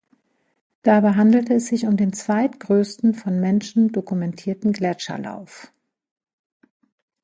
Dabei handelte es sich um den zweitgrößten von Menschen dokumentierten Gletscherlauf.